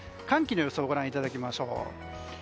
寒気の予想をご覧いただきましょう。